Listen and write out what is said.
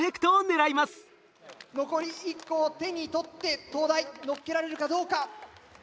残り１個を手に取って東大のっけられるかどうか。